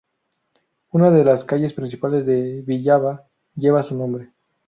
Una de las calles principales de Villava lleva su nombre.